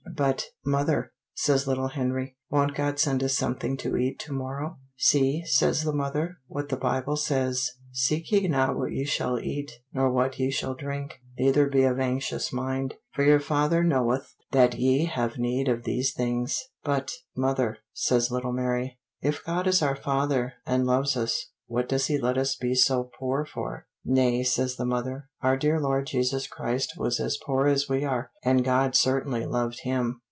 "But, mother," says little Henry, "won't God send us something to eat to morrow?" "See," says the mother, "what the Bible says: 'Seek ye not what ye shall eat, nor what ye shall drink, neither be of anxious mind. For your Father knoweth that ye have need of these things.'" "But, mother," says little Mary, "if God is our Father, and loves us, what does he let us be so poor for?" "Nay," says the mother, "our dear Lord Jesus Christ was as poor as we are, and God certainly loved him."